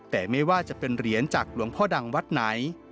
แต่ไม่ว่าจะเป็นเหรียญจากหลวงพ่อดังวัดไหน